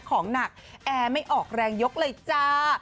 ของหนักแอร์ไม่ออกแรงยกเลยจ้า